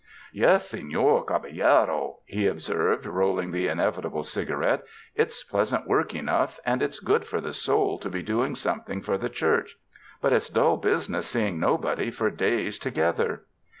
''Yes, sefior caballero,^^ he observed, rolling the inevitable cigarette, "it's pleasant work enough, and it's good for the soul to be doing something for the Church; but it's dull business seeing nobody for days together."